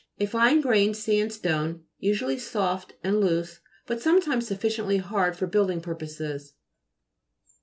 A fine grained sand stone, usually soft and loose, but sometimes sufficiently hard for building purposes.